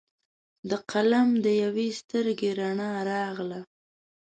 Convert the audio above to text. د قلم د یوي سترګې رڼا راغله